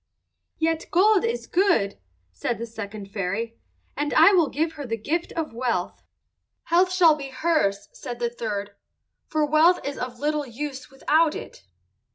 "Yet gold is good," said the second fairy, "and I will give her the gift of wealth." "Health shall be hers," said the third, "for wealth is of little use without it."